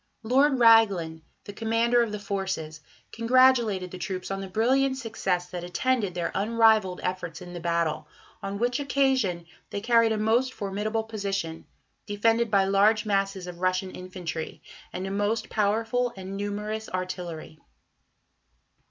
Lord Raglan, the Commander of the Forces, congratulated the troops on "the brilliant success that attended their unrivalled efforts in the battle, on which occasion they carried a most formidable position, defended by large masses of Russian infantry, and a most powerful and numerous artillery."